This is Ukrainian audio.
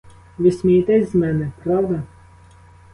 Ви смієтесь з мене, правда?